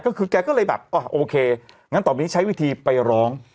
ก็คือแกก็เลยแบบโอเคงั้นต่อไปนี้ใช้วิธีไปร้อง